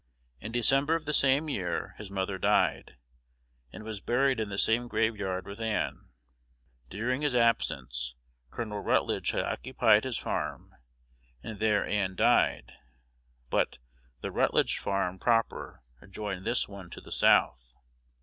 In December of the same year his mother died, and was buried in the same graveyard with Ann. During his absence, Col. Rutledge had occupied his farm, and there Ann died; but "the Rutledge farm" proper adjoined this one to the south.